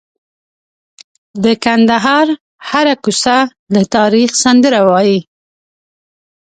د کندهار هره کوڅه د تاریخ سندره وایي.